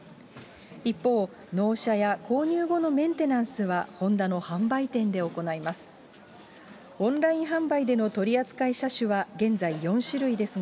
一方、納車や購入後のメンテナンスはホンダの販売店で行います。